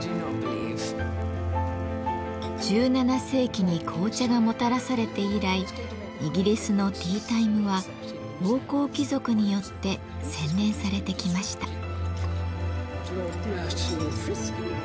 １７世紀に紅茶がもたらされて以来イギリスのティータイムは王侯貴族によって洗練されてきました。